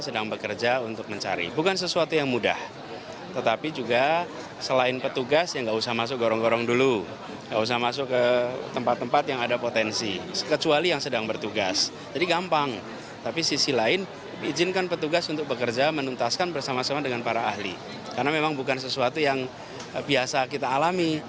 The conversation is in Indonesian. dan sesuatu yang biasa kita alami